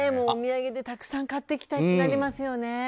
お土産でたくさん買ってきたくなりますよね。